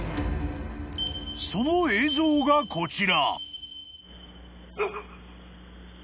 ［その映像がこちら］